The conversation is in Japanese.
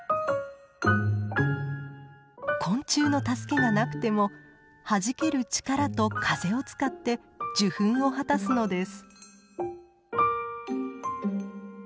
昆虫の助けがなくてもはじける力と風を使って受粉を果たすのです。